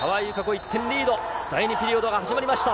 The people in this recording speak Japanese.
１点リード、第２ピリオドが始まりました。